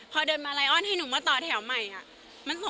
พอเดินมาไลอ้อนให้หนูมาต่อแถวใหม่มันสมควรไหม